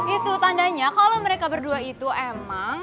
itu tandanya kalau mereka berdua itu emang